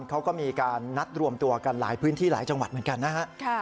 เขาก็มีการนัดรวมตัวกันหลายพื้นที่หลายจังหวัดเหมือนกันนะฮะ